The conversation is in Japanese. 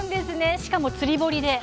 しかも釣堀で。